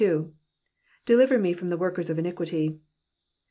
'^ Deliver me from the workers of iniquity.